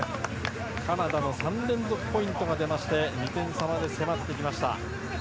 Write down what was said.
カナダの３連続ポイントが出まして２点差まで迫ってきました。